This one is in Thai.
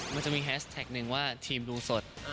มันจะมีแฮชแท็กหนึ่งว่าทีมดูสด